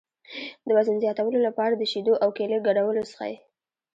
د وزن زیاتولو لپاره د شیدو او کیلې ګډول وڅښئ